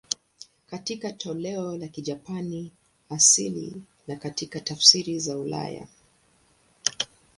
Katika toleo la Kijapani asili na katika tafsiri za ulaya.